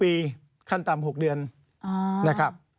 ปีขั้นต่ำ๖เดือนนะครับ